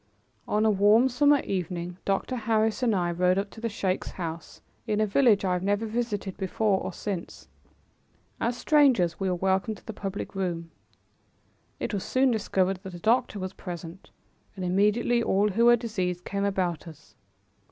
On a warm summer evening, Dr. Harris and I rode up to the sheik's house in a village I have never visited before or since. As strangers we were welcomed to the public room. It was soon discovered that a doctor was present, and immediately all who were diseased came about us.